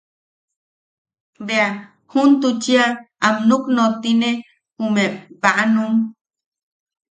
Bea juntuchia am nuknottine ume baʼanum.